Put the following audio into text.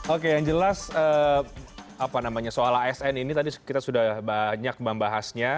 oke yang jelas apa namanya soal asn ini tadi kita sudah banyak membahasnya